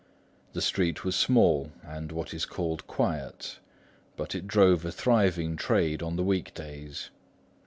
The street was small and what is called quiet, but it drove a thriving trade on the weekdays.